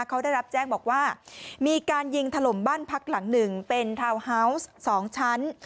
เขาได้รับแจ้งบอกว่ามีการยิงถล่มบ้านพักหลังหนึ่งเป็นทาวน์ฮาวส์๒ชั้น